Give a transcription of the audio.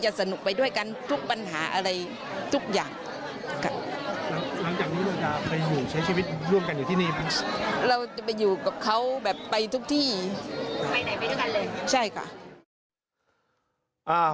ไปไหนไปทุกที่กันเลยครับใช่ค่ะ